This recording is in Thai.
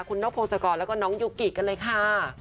คุณนกพงศกรแล้วก็น้องยูกิกันเลยค่ะ